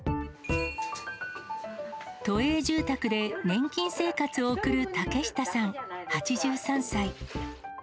都営住宅で年金生活を送る竹下さん８３歳。